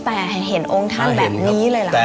แต่เห็นองค์ท่านแบบนี้เลยเหรอคะ